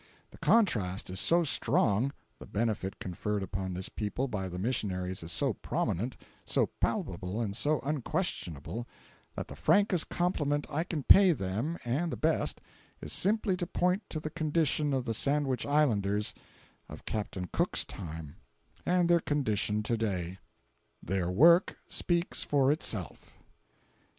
The contrast is so strong—the benefit conferred upon this people by the missionaries is so prominent, so palpable and so unquestionable, that the frankest compliment I can pay them, and the best, is simply to point to the condition of the Sandwich Islanders of Captain Cook's time, and their condition to day. Their work speaks for itself.